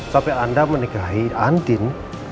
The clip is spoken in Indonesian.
sampai anda menikahi andin